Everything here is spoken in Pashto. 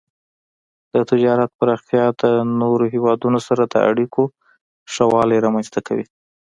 د تجارت پراختیا د نورو هیوادونو سره د اړیکو ښه والی رامنځته کوي.